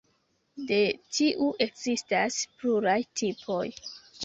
De tiu ekzistas pluraj tipoj.